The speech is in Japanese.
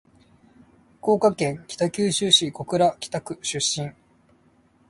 福岡県北九州市小倉北区出身。明治学園中学校・高等学校、北九州予備校（北予備）での浪人を経て、青山学院大学経営学部経営学科卒業